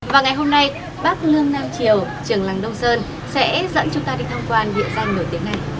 và ngày hôm nay bác lương nam triều trường làng đông sơn sẽ dẫn chúng ta đi tham quan địa danh nổi tiếng này